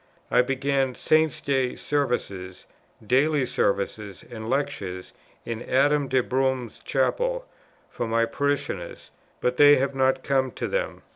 I began Saints' days Services, daily Services, and Lectures in Adam de Brome's Chapel, for my parishioners; but they have not come to them.